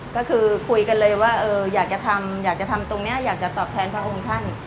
ก็คือคุยกันเลยว่าอยากจะทำอยากจะทำตรงนี้อยากจะตอบแทนพระองค์ท่าน